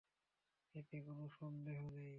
এতে কোন সন্দেহ নেই।